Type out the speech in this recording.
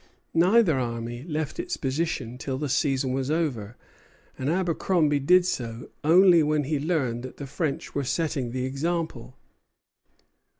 Neither army left its position till the season was over, and Abercromby did so only when he learned that the French were setting the example.